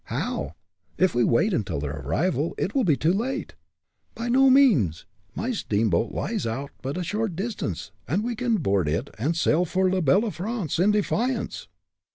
"How? If we wait until their arrival, it will be too late." "By no means. My steamboat lies out but a short distance, and we can board it and sail for la belle France, in defiance."